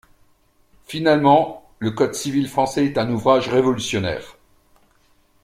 Finalement, le Code civil français est un ouvrage révolutionnaire.